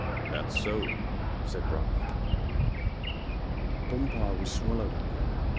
"That's so," said Raft. "Bompard was swallowed up there.